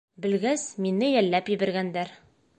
Белгәс, мине йәлләп ебәргәндәр.